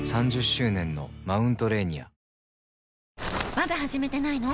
まだ始めてないの？